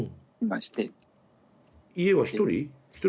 家は１人？